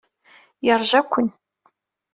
Yeṛja-ken.